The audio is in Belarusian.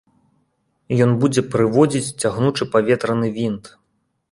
Ён будзе прыводзіць цягнучы паветраны вінт.